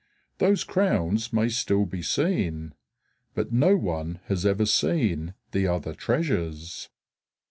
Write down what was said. Those crowns may still be seen; but no one has ever seen the other treasures.